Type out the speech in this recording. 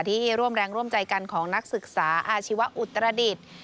ที่ร่วมแรงร่วมใจกันของนักศึกษาอาชีวะอุตรดิษฐ์